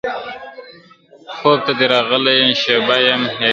خوب ته دي راغلی یم شېبه یمه هېرېږمه ..